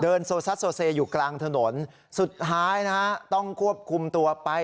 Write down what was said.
โซซัดโซเซอยู่กลางถนนสุดท้ายนะฮะต้องควบคุมตัวไป